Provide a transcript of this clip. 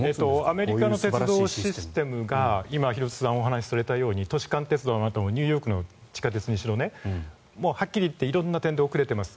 アメリカの鉄道システムが今、廣津留さんがお話しされたように都市間鉄道にしろニューヨークの地下鉄にしろはっきり言って色んな点で遅れています。